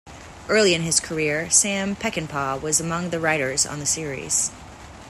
Early in his career, Sam Peckinpah was among the writers on the series.